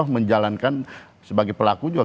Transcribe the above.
menjalankan sebagai pelaku juga